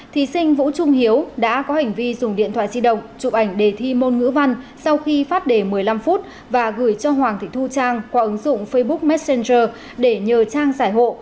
thí sinh vũ trung hiếu đã có hành vi dùng điện thoại di động chụp ảnh đề thi môn ngữ văn sau khi phát đề một mươi năm phút và gửi cho hoàng thị thu trang qua ứng dụng facebook messenger để nhờ trang giải hộ